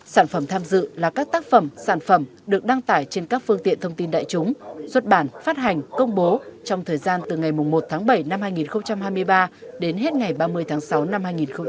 sản phẩm tham dự là các tác phẩm sản phẩm được đăng tải trên các phương tiện thông tin đại chúng xuất bản phát hành công bố trong thời gian từ ngày một tháng bảy năm hai nghìn hai mươi ba đến hết ngày ba mươi tháng sáu năm hai nghìn hai mươi bốn